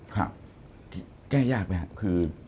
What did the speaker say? ครับแก้ยากไหมครับคือ